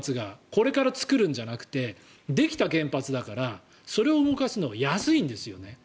これから作るんじゃなくてできた原発だからそれを動かすのは安いんですよね。